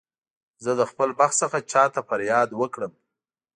زه له خپل بخت څخه چا ته فریاد وکړم.